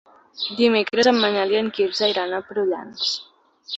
Dimecres en Manel i en Quirze iran a Prullans.